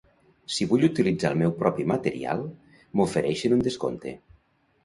Si vull utilitzar el meu propi material, m'ofereixen un descompte.